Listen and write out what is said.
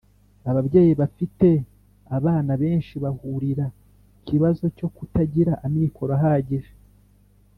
Ababyeyi babifite abana benshi bahurira kibazo cyo ku kutagira amikoro ahagije.